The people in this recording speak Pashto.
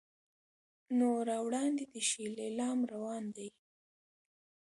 نو را وړاندې دې شي لیلام روان دی.